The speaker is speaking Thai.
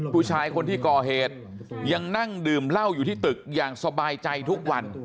ผู้ชายคนที่ก่อเหตุยังนั่งดื่มเหล้าอยู่ที่ตึกอย่างสบายใจทุกวัน